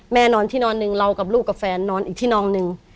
นอนที่นอนหนึ่งเรากับลูกกับแฟนนอนอีกที่นอนหนึ่ง